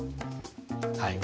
はい。